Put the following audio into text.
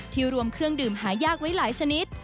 รวมเครื่องดื่มหายากไว้หลายชนิด